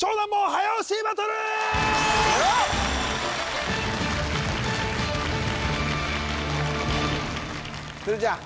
早押しバトル鶴ちゃん